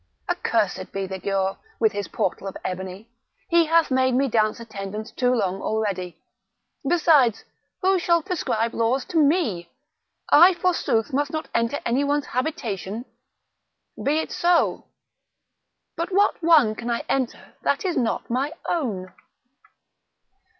Accursed be the Giaour, with his portal of ebony! he hath made me dance attendance too long already. Besides, who shall prescribe laws to me? I forsooth must not enter any one's habitation! Be it so; but what one can I enter that is not my own?"